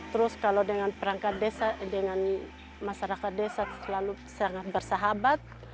terus kalau dengan perangkat desa dengan masyarakat desa selalu sangat bersahabat